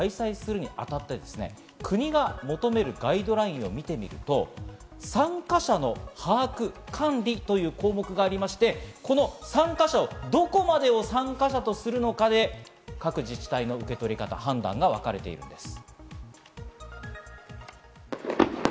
花火大会を開催するにあたって、国が求めるガイドラインを見てみると、参加者の把握、管理という項目がありまして、この参加者をどこまでを参加者とするのかで各自治体の受け取り方、判断が分かれているんです。